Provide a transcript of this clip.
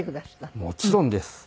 もちろんです。